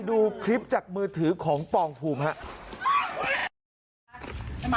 คุณพ่อกลับมาคุณพ่อกลับมา